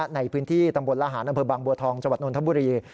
ในพื้นที่ตำบลอาหารอบางบัวทองจนธบุรี